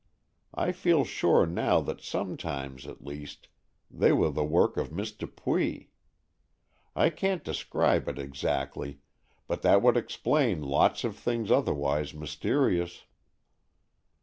I feel sure now that sometimes, at least, they were the work of Miss Dupuy. I can't describe it exactly, but that would explain lots of things otherwise mysterious."